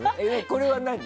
これは何？